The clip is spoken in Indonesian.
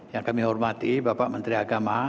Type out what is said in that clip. yang kami hormati bapak menteri agama